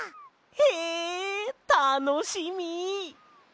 へえたのしみ！